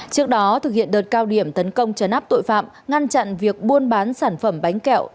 trước đó thực hiện đợt cao điểm tấn công trấn áp tội phạm ngăn chặn việc buôn bán sản phẩm bánh kẹo